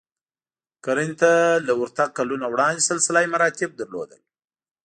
کرنې ته له ورتګ کلونه وړاندې سلسله مراتب درلودل